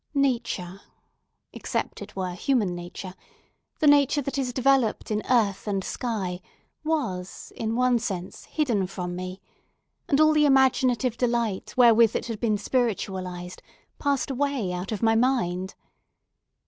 Nature—except it were human nature—the nature that is developed in earth and sky, was, in one sense, hidden from me; and all the imaginative delight wherewith it had been spiritualized passed away out of my mind.